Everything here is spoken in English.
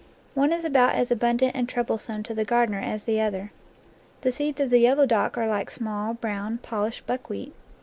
One is about as abundant and trouble some to the gardener as the other. The seeds of the yellow dock are like small, brown, polished buck wheat.